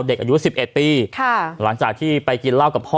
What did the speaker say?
เด็กอายุ๑๑ปีหลังจากที่ไปกินเหล้ากับพ่อ